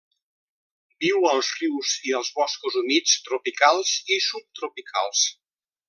Viu als rius i als boscos humits tropicals i subtropicals.